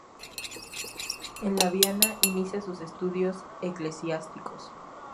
En Laviana inicia sus estudios eclesiásticos.